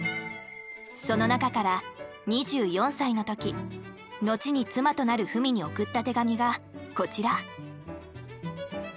その中から２４歳の時後に妻となる文に送った手紙がこちら。